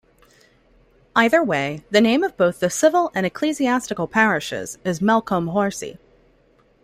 Either way, the name of both the civil and ecclesiastical parishes is Melcombe Horsey.